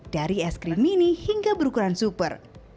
dari es krim mini hingga berukuran super